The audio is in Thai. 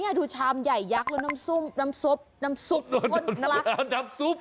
นี่ดูชามใหญ่ยักษ์น้ำซุปน้ำซุปน้ำซุปน้ำซุป